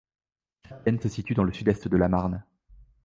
Chapelaine se situe dans le sud-est de la Marne.